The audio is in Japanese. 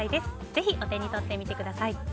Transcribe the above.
ぜひお手に取ってみてください。